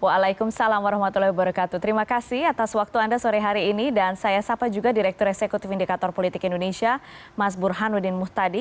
waalaikumsalam warahmatullahi wabarakatuh terima kasih atas waktu anda sore hari ini dan saya sapa juga direktur eksekutif indikator politik indonesia mas burhanuddin muhtadi